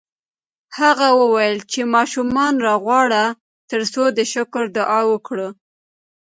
هغه وویل چې ماشومان راوغواړه ترڅو د شکر دعا وکړو